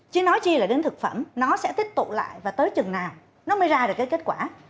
chứ nói chi là đến thực phẩm nó sẽ tích tụ lại và tới chừng nào nó mới ra được cái kết quả